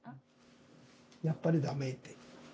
やっぱり駄目って。